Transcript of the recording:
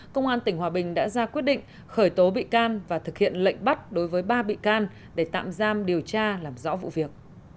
công an tỉnh hòa bình đã ra quyết định khởi tố bị can và thực hiện lệnh bắt đối với ba bị can để tạm giam điều tra làm rõ vụ việc